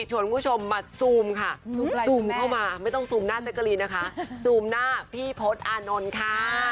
คุณผู้ชมมาซูมค่ะซูมเข้ามาไม่ต้องซูมหน้าแจ๊กกะรีนนะคะซูมหน้าพี่พศอานนท์ค่ะ